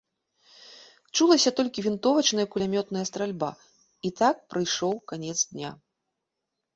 Чулася толькі вінтовачная і кулямётная стральба, і так прыйшоў канец дня.